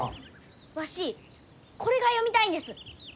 わしこれが読みたいんです。